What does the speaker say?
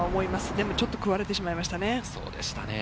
でもちょっと食われてしまいましたね。